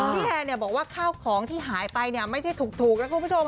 แฮนบอกว่าข้าวของที่หายไปเนี่ยไม่ใช่ถูกนะคุณผู้ชม